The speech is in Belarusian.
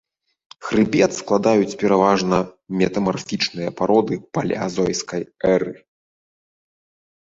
Хрыбет складаюць пераважна метамарфічныя пароды палеазойскай эры.